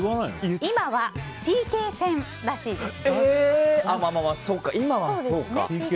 今はＰＫ戦らしいです。